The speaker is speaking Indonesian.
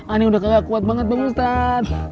ini udah kagak kuat banget bang ustadz